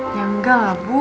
ya nggak lah bu